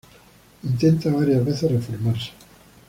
Intenta varias veces reformarse.